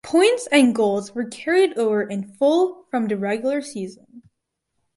Points and goals were carried over in full from the regular season.